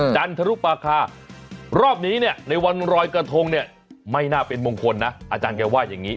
จันทรุปาคารอบนี้เนี่ยในวันรอยกระทงเนี่ยไม่น่าเป็นมงคลนะอาจารย์แกว่าอย่างนี้